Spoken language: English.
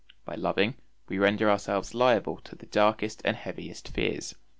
By loving, we render ourselves liable to the darkest and heaviest fears.